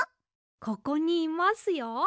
ここにいますよ。